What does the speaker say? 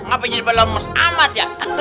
ngapain jadi pada lomos amat ya